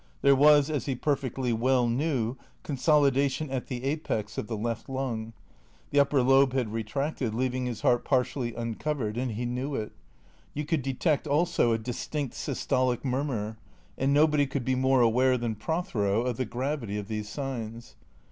There was, as he perfectly well knew, consolidation at the apex of the left lung; the upper lobe had retracted, leaving his heart partially uncovered, and he knew it; you could detect also a distinct systolic murmur; and nobody could be more aware than Prothero of the gravity of these signs.